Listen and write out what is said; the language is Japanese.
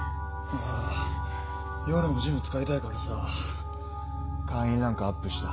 ああ夜もジム使いたいからさぁ会員ランクアップした。